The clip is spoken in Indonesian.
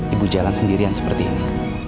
ibu jalan sendirian seperti ini